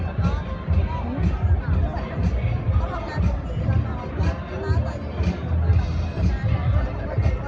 เพราะผมว่าทุกคนคิดว่าถ้าแกโดยเจ้าเลยมันก็ควรทันแหละ